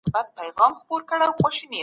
کله چي هغوی اووه کلنۍ ته ورسیږي.